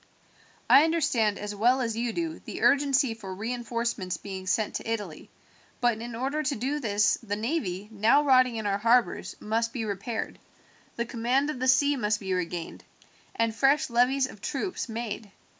I understand as well as you do the urgency for reinforcements being sent to Italy; but in order to do this the navy, now rotting in our harbours, must be repaired, the command of the sea must be regained, and fresh levies of troops made.